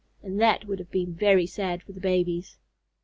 And that would have been very sad for the babies.